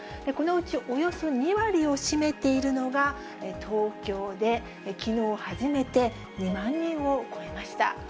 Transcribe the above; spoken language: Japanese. このうちおよそ２割を占めているのが東京で、きのう初めて２万人を超えました。